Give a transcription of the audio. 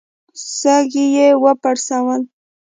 سږي يې وپړسول.